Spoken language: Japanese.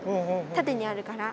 たてにあるから。